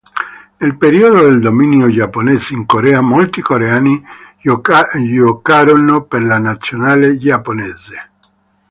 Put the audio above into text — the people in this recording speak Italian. Nel periodo del domino giapponese in Corea molti coreani giocarono per la nazionale giapponese.